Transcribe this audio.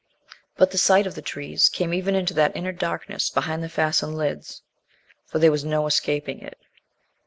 But the sight of the trees came even into that inner darkness behind the fastened lids, for there was no escaping it.